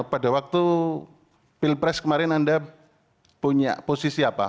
pada waktu pilpres kemarin anda punya posisi apa